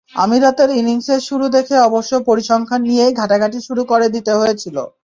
আমিরাতের ইনিংসের শুরু দেখে অবশ্য পরিসংখ্যান নিয়েই ঘাটা ঘটি শুরু করে দিতে হয়েছিল।